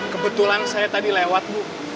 kebetulan saya tadi lewat bu